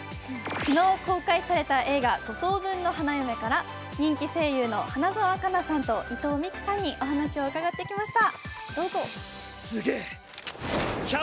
昨日公開された映画「五等分の花嫁」から人気声優の花澤香菜さんと伊藤美来さんにお話を伺ってきました。